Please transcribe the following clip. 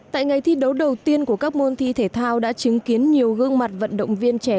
tại ngày thi đấu đầu tiên của các môn thi thể thao đã chứng kiến nhiều gương mặt vận động viên trẻ